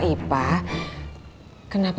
kalau bukan karena ramuannya maipah